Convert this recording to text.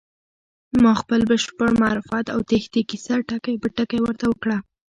ما خپل بشپړ معرفت او تېښتې کيسه ټکی په ټکی ورته وکړه.